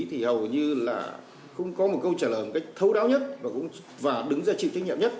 thì hầu như là không có một câu trả lời một cách thấu đáo nhất và đứng ra chịu trách nhiệm nhất